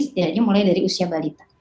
setidaknya mulai dari usia balita